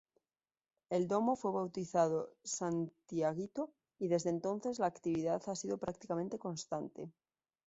El domo fue bautizado Santiaguito, y desde entonces, la actividad ha sido prácticamente constante.